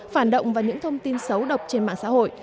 phản động và những thông tin xấu độc trên mạng xã hội